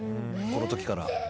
この時から。